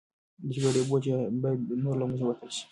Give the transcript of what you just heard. د جګړې بوج باید نور له موږ وتل شي.